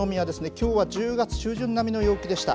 きょうは１０月中旬並みの陽気でした。